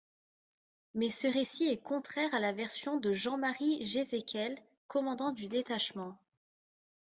Mais ce récit est contraire à la version de Jean-Marie Jézéquel commandant du détachement.